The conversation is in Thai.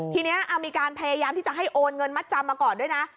ทีนี้มีการพยายามที่จะให้โอนเงินมัดจำมาก่อนด้วยนะ